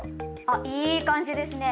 あいい感じですね。